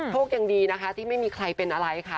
โชคดีนะคะที่ไม่มีใครเป็นอะไรค่ะ